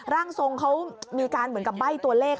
ร่างทรงเขามีการเหมือนกับใบ้ตัวเลข